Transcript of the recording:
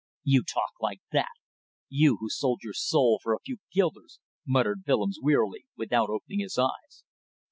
"You talk like that! You, who sold your soul for a few guilders," muttered Willems, wearily, without opening his eyes.